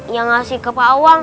yang ngasih ke pak awang